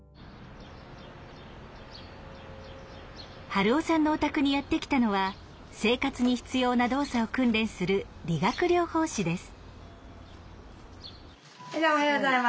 春雄さんのお宅にやって来たのは生活に必要な動作を訓練する理学療法士です。